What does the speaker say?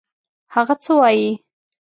هغه څه وايي.